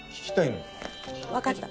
わかった。